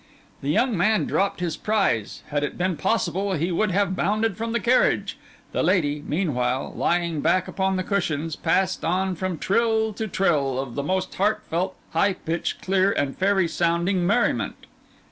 The young man dropped his prize; had it been possible, he would have bounded from the carriage. The lady, meanwhile, lying back upon the cushions, passed on from trill to trill of the most heartfelt, high pitched, clear and fairy sounding merriment.